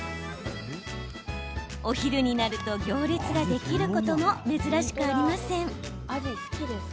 お昼になると行列ができることも珍しくありません。